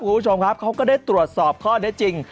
คุณผู้ชมครับเขาก็ได้ตรวจสอบข้อได้จริง